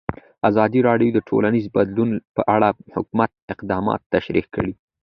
ازادي راډیو د ټولنیز بدلون په اړه د حکومت اقدامات تشریح کړي.